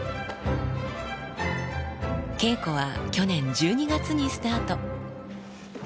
稽古は去年１２月にスタート。